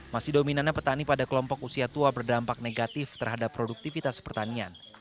masih dominannya petani pada kelompok usia tua berdampak negatif terhadap produktivitas pertanian